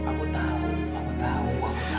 aku tahu aku tahu